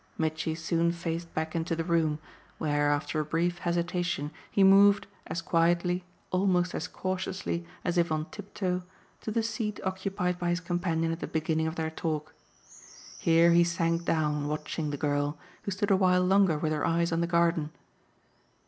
Mitchy soon faced back into the room, where after a brief hesitation he moved, as quietly, almost as cautiously, as if on tiptoe, to the seat occupied by his companion at the beginning of their talk. Here he sank down watching the girl, who stood a while longer with her eyes on the garden.